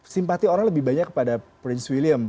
simpati orang lebih banyak kepada prince william